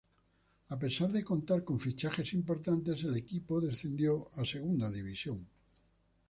A pesar de contar con fichajes importantes, el equipo descendió a Segunda División.